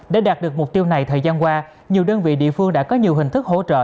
để đạt được mục tiêu này thời gian qua nhiều đơn vị địa phương đã có nhiều hình thức hỗ trợ